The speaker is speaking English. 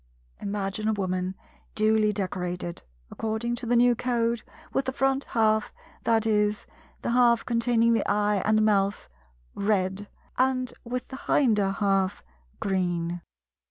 Imagine a woman duly decorated, according to the new Code; with the front half (i.e., the half containing the eye and mouth) red, and with the hinder half green.